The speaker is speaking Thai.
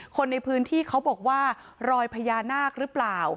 คนในพื้นที่เขาบอกว่ารอยพญานาคหรือเปล่า